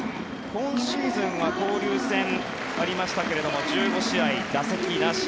今シーズンは交流戦ありましたけども１５試合、打席なし。